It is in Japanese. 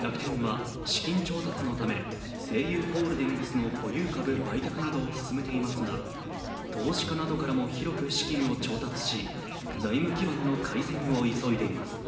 楽天は資金調達のため西友ホールディングスの保有株売却などを進めていますが投資家などからも広く資金を調達し財務基盤の改善を急いでいます。